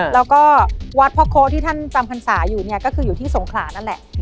แล้วก็วัดพ่อโค้ที่ท่านจำพรรษาอยู่เนี่ยก็คืออยู่ที่สงขลานั่นแหละ